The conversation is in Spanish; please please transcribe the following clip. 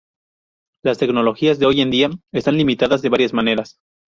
Las tecnologías de hoy en día están limitadas de varias maneras.